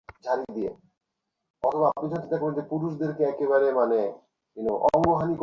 নিজের ব্যান্ড খোলতে যাচ্ছি।